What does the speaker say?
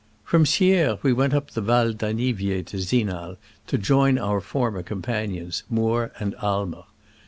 '* From Sierre we went up the Val d'An niviers to Zinal, to join our former com panions, Moore and Aimer.